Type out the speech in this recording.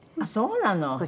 「あっそうなの？」